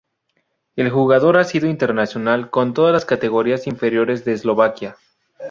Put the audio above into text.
El jugador ha sido internacional con todas las categorías inferiores de Eslovaquia.